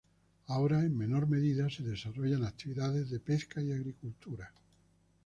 Ahora en menor medida se desarrollan actividades de pesca y agricultura.